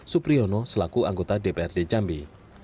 supriyono selaku anggota dprd jambi